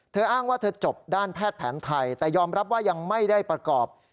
อ้างว่าเธอจบด้านแพทย์แผนไทยแต่ยอมรับว่ายังไม่ได้ประกอบ